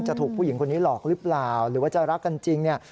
ถูกผู้หญิงคนนี้หลอกหรือเปล่าหรือว่าจะรักกันจริงเนี่ย